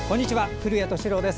古谷敏郎です。